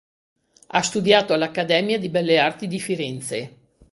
Ha studiato all'Accademia di Belle Arti di Firenze.